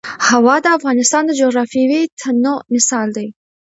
هوا د افغانستان د جغرافیوي تنوع مثال دی.